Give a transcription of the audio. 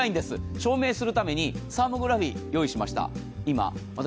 証明するためにサーモグラフィー用意しました。